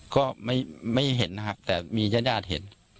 ก็ไม่เห็นนะครับแต่มีญาติญาติเห็น